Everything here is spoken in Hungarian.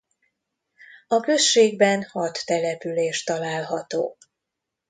A községben hat település található.